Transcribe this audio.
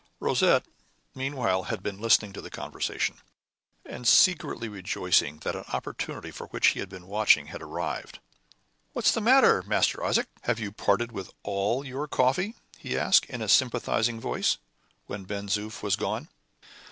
Rosette meanwhile had been listening to the conversation, and secretly rejoicing that an opportunity for which he had been watching had arrived. "What's the matter, Master Isaac? Have you parted with all your coffee?" he asked, in a sympathizing voice, when Ben Zoof was gone.